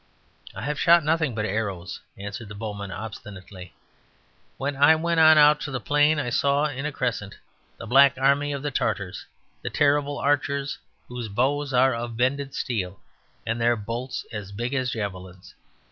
"I have shot nothing but arrows," answered the bowman obstinately. "When I went out on to the plain I saw in a crescent the black army of the Tartars, the terrible archers whose bows are of bended steel, and their bolts as big as javelins.